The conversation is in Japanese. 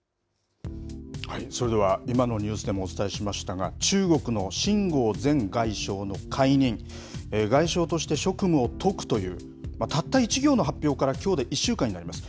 それでは、今のニュースでもお伝えしましたが、中国の秦剛前外相の解任、外相として職務を解くという、たった１行の発表からきょうで１週間になります。